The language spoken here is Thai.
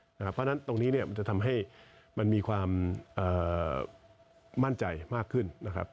เพราะฉะนั้นตรงนี้มันจะทำให้มันมีความมั่นใจมากขึ้นนะครับ